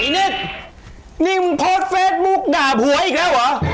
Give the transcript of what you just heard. นี่นิ่มโพสต์เฟซบุ๊กด่าผัวอีกแล้วเหรอ